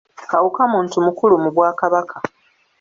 Kawuka muntu mukulu mu Bwakabaka.